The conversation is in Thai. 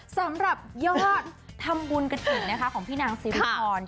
สำหรับยอดธรรมบุญกระถิ่งนะคะของพี่นางซิรุภรณ์ค่ะ